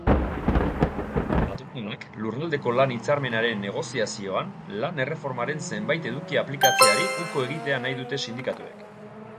Patronalak lurraldeko lan-hitzarmenaren negoziazioan lan-erreformaren zenbait eduki aplikatzeari uko egitea nahi dute sindikatuek.